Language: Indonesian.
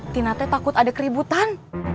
tina teh takut ada keributan